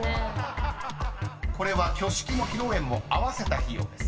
［これは挙式も披露宴も合わせた費用です］